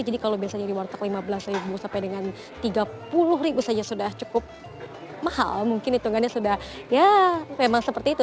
jadi kalau biasanya di warteg rp lima belas sampai dengan rp tiga puluh saja sudah cukup mahal mungkin hitungannya sudah ya memang seperti itu